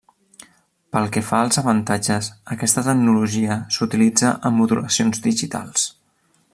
Pel que fa als avantatges, aquesta tecnologia s’utilitza amb modulacions digitals.